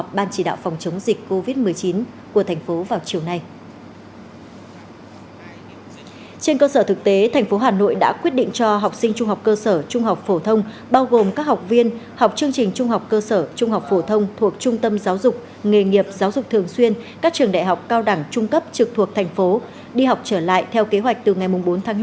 trong cơ sở thực tế thành phố hà nội đã quyết định cho học sinh trung học cơ sở trung học phổ thông bao gồm các học viên học chương trình trung học cơ sở trung học phổ thông thuộc trung tâm giáo dục nghề nghiệp giáo dục thường xuyên các trường đại học cao đẳng trung cấp trực thuộc thành phố đi học trở lại theo kế hoạch từ ngày bốn tháng năm